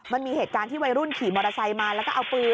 มันมีเหตุการณ์ที่วัยรุ่นขี่มอเตอร์ไซค์มาแล้วก็เอาปืน